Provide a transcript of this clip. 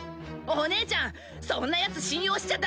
お姉ちゃんそんなやつ信用しちゃ駄目だ。